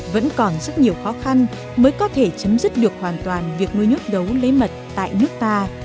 vẫn còn rất nhiều khó khăn mới có thể chấm dứt được hoàn toàn việc nuôi nhốt gấu lấy mật tại nước ta